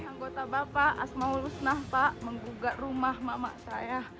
anggota bapak asmaulusnah pak menggugat rumah mamak saya